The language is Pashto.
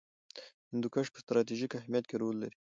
هندوکش په ستراتیژیک اهمیت کې رول لري.